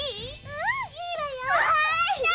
うんいいわよ。